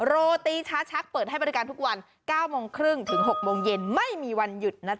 โรตีชักเปิดให้บริการทุกวัน